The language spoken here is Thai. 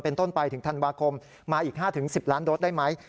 ต้นไปถึงธันวาคมมาอีก๕๑๐ล้านโดสได้ไหม